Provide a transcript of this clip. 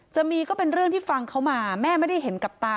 จะมีก็เป็นเรื่องที่ฟังเขามาแม่ไม่ได้เห็นกับตา